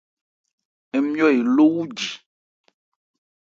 Ńmjɔ́ eló wu.